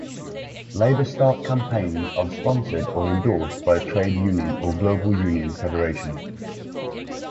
LabourStart campaigns are sponsored or endorsed by a trade union or global union federation.